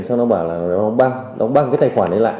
xong nó bảo là nó băng nó băng cái tài khoản đấy lại